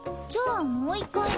じゃあもう一回。